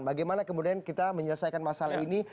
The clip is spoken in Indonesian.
bagaimana kemudian kita menyelesaikan masalah ini